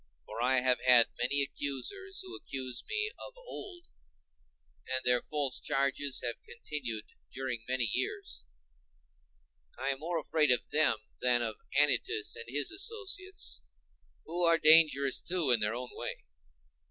For I have had many accusers, who accused me of old, and their false charges have continued during many years; and I am more afraid of them than of Anytus and his associates, who are dangerous, too, in their own way.